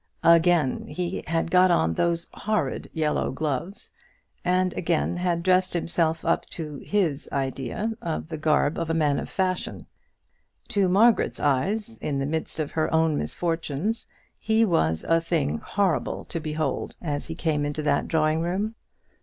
Again he had got on those horrid yellow gloves, and again had dressed himself up to his idea of the garb of a man of fashion. To Margaret's eyes, in the midst of her own misfortunes, he was a thing horrible to behold, as he came into that drawing room.